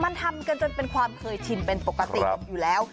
มันทำกันจนเป็นความเคยชินเป็นปกติอยู่แล้ว